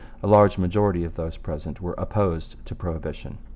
A large majority of those present were opposed to prohibition.